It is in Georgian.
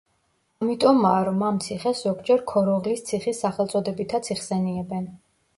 ამიტომაა, რომ ამ ციხეს ზოგჯერ ქოროღლის ციხის სახელწოდებითაც იხსენიებენ.